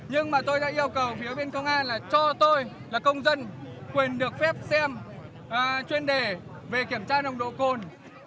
nhưng mà tôi đã yêu cầu phía bên công an là cho tôi là công dân quyền được phép xem chuyên đề về kiểm tra nồng độ cồn